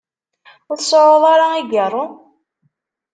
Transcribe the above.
Ur tseɛɛuḍ ara agiṛṛu?